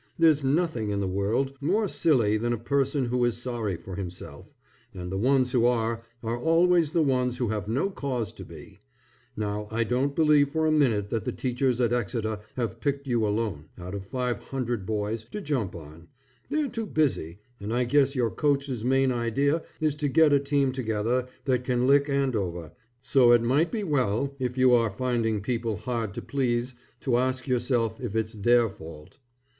There's nothing in the world more silly than a person who is sorry for himself, and the ones who are, are always the ones who have no cause to be. Now I don't believe for a minute that the teachers at Exeter have picked you alone, out of five hundred boys, to jump on; they're too busy, and I guess your coach's main idea is to get a team together that can lick Andover, so it might be well, if you are finding people hard to please, to ask yourself if it's their fault.